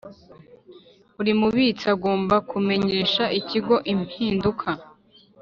Buri mubitsi agomba kumenyesha ikigo impinduka